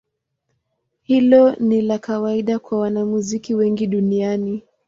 Hilo ni la kawaida kwa wanamuziki wengi duniani.